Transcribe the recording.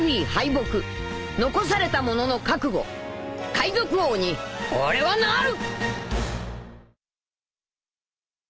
海賊王に俺はなる！